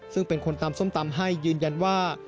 ซึ่งเป็นคนตำส้มตำให้ยืนยันว่า